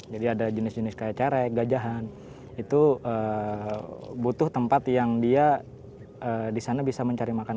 jadi ada jenis jenis kayak carek gajahan itu butuh tempat yang dia di sana bisa mencari makan